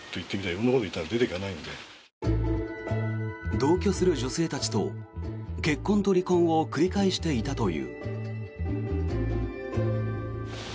同居する女性たちと結婚と離婚を繰り返していたという。